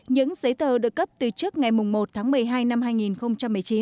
những giấy tờ được cấp từ trước ngày một tháng một mươi hai năm hai nghìn hai mươi